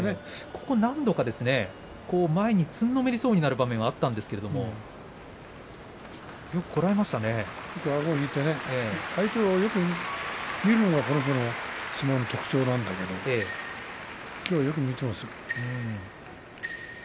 ここ何度か前につんのめりそうな場面があったんですけど相手をよく見るのが上手な相撲の特徴なんだけどきょうはよく見ているよ。